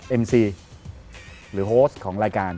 เอ็มซีหรือโฮสของรายการ